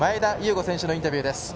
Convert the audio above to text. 伍選手のインタビューです。